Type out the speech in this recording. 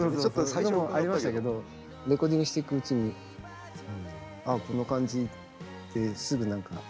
そうそうそうありましたけどレコーディングしていくうちにああこの感じってすぐ何か。